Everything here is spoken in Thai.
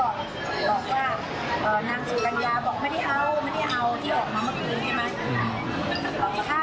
กล่ามแล้วมิกี้บอกว่านางสุรญาบอกไม่ได้เอาไม่ได้เอาที่ออกมาเมื่อคืนใช่ไหม